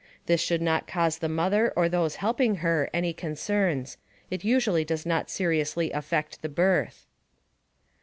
This should not cause the mother or those helping her any concerns. It usually does not seriously affect the birth.